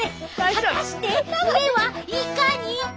果たして目はいかに！